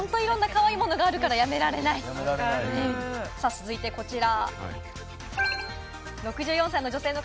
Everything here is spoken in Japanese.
続いてこちら。